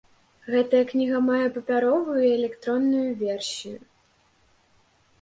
Гэтая кніга мае папяровую і электронную версію.